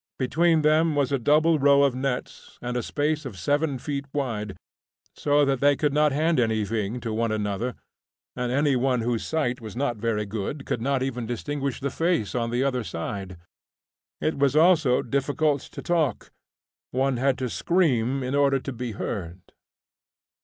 Between them was a double row of nets and a space of 7 feet wide, so that they could not hand anything to one another, and any one whose sight was not very good could not even distinguish the face on the other side. It was also difficult to talk; one had to scream in order to be heard.